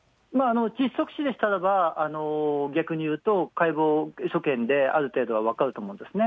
窒息死でしたら、逆にいうと解剖所見で、ある程度は分かると思うんですね。